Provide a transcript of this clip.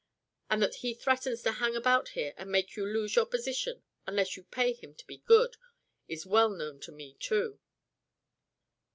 And that he threatens to hang about here and make you lose your position unless you pay him to be good, is well known to me, too.